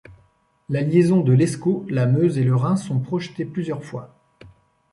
La liaison de l'Escaut, la Meuse et le Rhin sont projetés plusieurs fois.